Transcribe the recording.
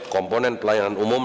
komponen pelayanan umum